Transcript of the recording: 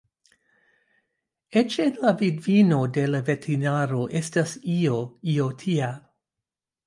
Eĉ en la vidvino de la veterinaro estas io, io tia.